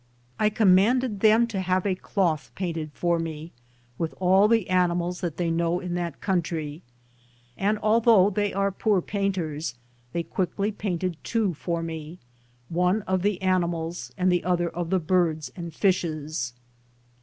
I commanded them to have a cloth painted for me, with all the animals that they know in that country, and although they are poor painters, they quickly painted two for me, one of the animals and the other of the birds and fishes.